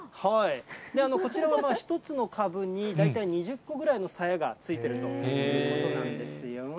こちらは、１つの株に大体２０個ぐらいのさやが付いているということなんですよ。